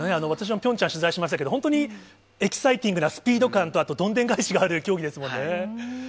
私もピョンチャン取材しましたけど、本当にエキサイティングな、スピード感と、どんでん返しがある競技ですもんね。